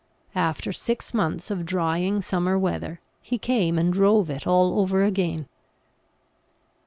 After six months of drying summer weather he came and drove it all over again.